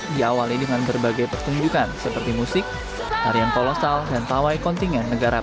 diawali dengan berbagai pertunjukan seperti musik tarian kolosal dan pawai kontingen negara